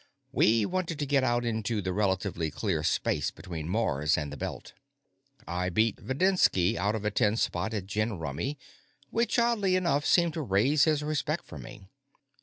We wanted to get out into the relatively clear space between Mars and the Belt. I beat Videnski out of a ten spot at gin rummy, which, oddly enough, seemed to raise his respect for me.